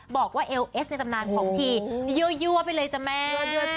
บอกว่าเอลเอสในตำนานของชียั่วไปเลยจ้ะแม่